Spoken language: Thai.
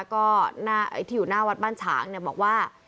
ก็ที่อยู่หน้าวัดบ้านฉางบอกว่า